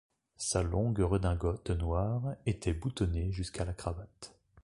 Sa longue redingote noire était boutonnée jusqu’à la cravate.